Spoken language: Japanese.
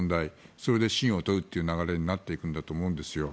それで信を問うという流れになっていくんだと思うんですよ。